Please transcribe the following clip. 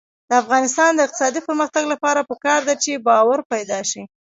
د افغانستان د اقتصادي پرمختګ لپاره پکار ده چې باور پیدا شي.